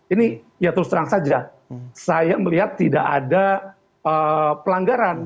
ini ya terus terang saja saya melihat tidak ada pelanggaran